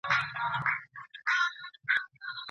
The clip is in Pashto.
ایا نوي کروندګر وچ انار صادروي؟